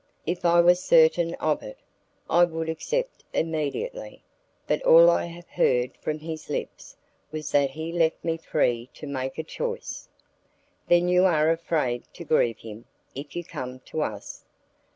"If I were certain of it, I would accept immediately; but all I have heard from his lips was that he left me free to make a choice." "Then you are afraid to grieve him, if you come to us?"